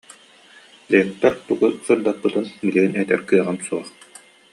Лектор тугу сырдаппытын билигин этэр кыаҕым суох